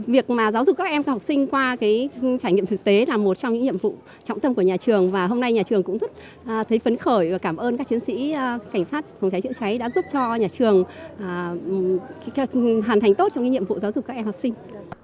việc giáo dục các em học sinh qua trải nghiệm thực tế là một trong những nhiệm vụ trọng tâm của nhà trường và hôm nay nhà trường cũng rất thấy phấn khởi và cảm ơn các chiến sĩ cảnh sát phòng cháy chữa cháy đã giúp cho nhà trường hoàn thành tốt trong nhiệm vụ giáo dục các em học sinh